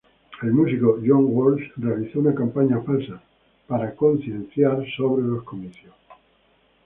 El músico Joe Walsh realizó una campaña falsa para hacer conciencia de los comicios.